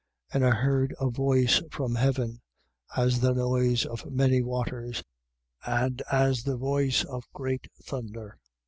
14:2. And I heard a voice from heaven, as the noise of many waters and as the voice of great thunder.